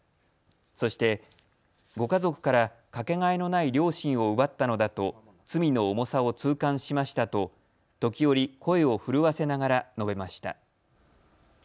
そしてご家族から掛けがえのない両親を奪ったのだと罪の重さを痛感しましたと時折、声を震わせながら述べました。